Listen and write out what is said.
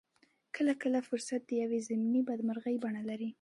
کله کله فرصت د يوې ضمني بدمرغۍ بڼه لري.